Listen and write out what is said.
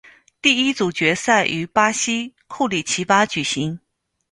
第一组决赛于巴西库里奇巴举行。